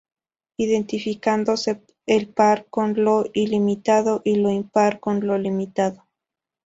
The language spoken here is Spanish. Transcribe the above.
Identificándose el par con lo ilimitado y lo impar con lo limitado.